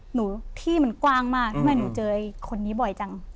หนูที่มันกว้างมากทำไมหนูเจอไอ้คนนี้บ่อยจัง